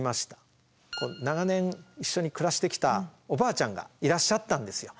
長年一緒に暮らしてきたおばあちゃんがいらっしゃったんですよ。